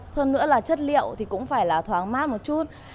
hơn nữa là chất liệu thì cũng phải là thoáng mát một chút